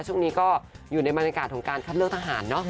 ช่วงนี้ก็อยู่ในบรรยากาศของการคัดเลือกทหารเนอะ